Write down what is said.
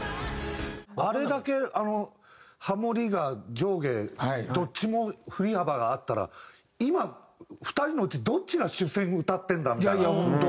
あれだけあのハモリが上下どっちも振り幅があったら今２人のうちどっちが主旋歌ってるんだ？みたいな。